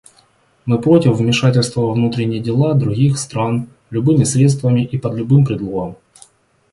Мы против вмешательства во внутренние дела других стран любыми средствами и под любым предлогом.